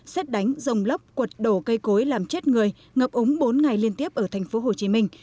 xét đánh rông lốc quật đổ cây cối làm chết người ngập ống bốn ngày liên tiếp ở tp hcm